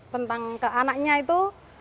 tentang anaknya itu